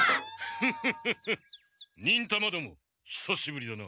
フッフッフッフ忍たまどもひさしぶりだな。